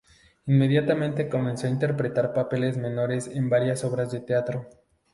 Inmediatamente comenzó a interpretar papeles menores en varias obras de teatro.